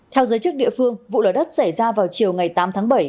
theo giới chức địa phương vụ lở đất xảy ra vào chiều ngày tám tháng bảy